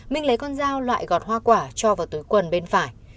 minh lấy con dao loại gọt hoa quả cho vào túi quần bên phải